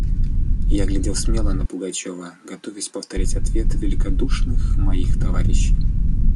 Я глядел смело на Пугачева, готовясь повторить ответ великодушных моих товарищей.